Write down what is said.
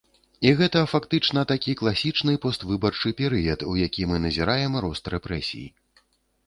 І гэта фактычна такі класічны поствыбарчы перыяд, у які мы назіраем рост рэпрэсій.